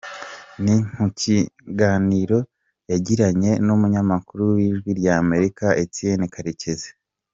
Ni mu kiganiro yagiranye n’umunyamakuru w’Ijwi ry’Amerika Etienne Karekezi.